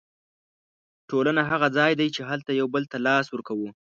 ټولنه هغه ځای دی چې هلته یو بل ته لاس ورکوو.